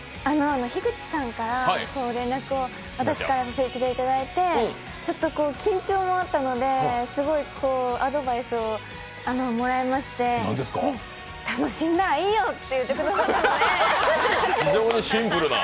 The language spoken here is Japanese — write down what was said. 樋口さんから連絡をいただいて、ちょっと緊張もあったので、すごいアドバイスをもらいまして、楽しんだらいいよ！って言ってくださったので。